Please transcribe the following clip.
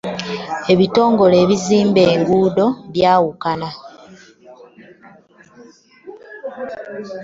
Ebitongole ebizimba enguudo byawukana .